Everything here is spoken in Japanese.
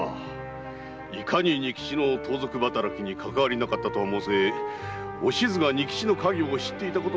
いかに仁吉の盗賊働きにかかわりなかったとは申せお静が仁吉の稼業を知っていたことは確か。